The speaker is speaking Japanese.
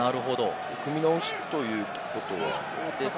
組み直しということは？